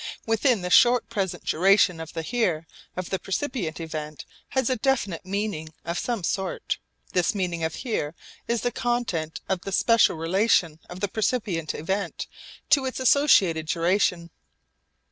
Within the short present duration the 'here' of the percipient event has a definite meaning of some sort. This meaning of 'here' is the content of the special relation of the percipient event to its associated duration.